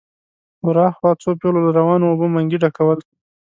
ور هاخوا څو پېغلو له روانو اوبو منګي ډکول.